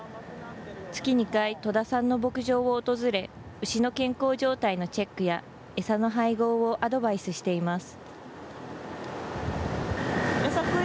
月２回、戸田さんの牧場を訪れ、牛の健康状態のチェックや、餌の配合をアドバイスしています。